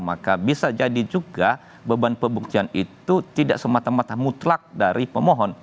maka bisa jadi juga beban pembuktian itu tidak semata mata mutlak dari pemohon